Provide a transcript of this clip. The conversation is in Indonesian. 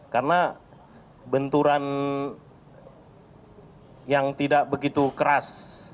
karena benturan yang tidak begitu keras